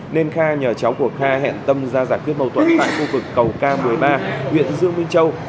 nên kha nhờ cháu của kha hẹn tâm ra giải quyết mâu thuẫn khu vực cầu k một mươi ba huyện dương minh châu